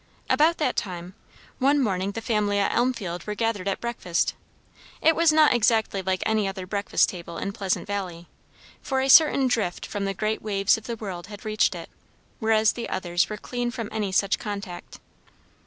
About that time, one morning the family at Elmfield were gathered at breakfast. It was not exactly like any other breakfast table in Pleasant Valley, for a certain drift from the great waves of the world had reached it; whereas the others were clean from any such contact.